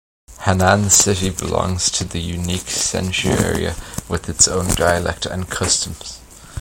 Hannan city belongs to the unique Senshu area with its own dialect and customs.